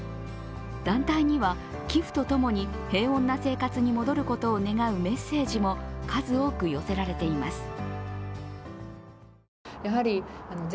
団体には、寄付とともに、平穏な生活に戻ることを願うメッセージも数多く寄せられています。